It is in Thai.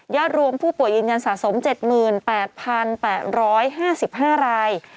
รวมผู้ป่วยยืนยันสะสม๗๘๘๕๕ราย